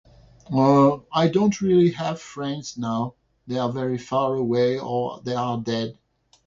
Uh, I don't really have friends now. They are very far away or they are dead.